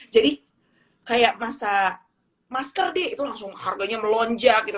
jadi kayak masa masker deh itu langsung harganya melonjak gitu